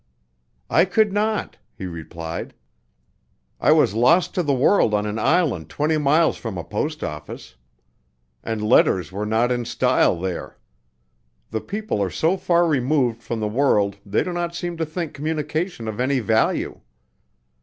"I could not," he replied; "I was lost to the world on an island twenty miles from a post office, and letters were not in style there. The people are so far removed from the world they do not seem to think communication of any value.